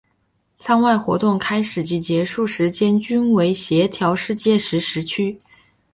舱外活动开始及结束时间均为协调世界时时区。